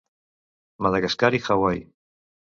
Madagascar i Hawaii.